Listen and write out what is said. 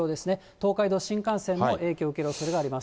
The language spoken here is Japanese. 東海道新幹線も影響受けるおそれがあります。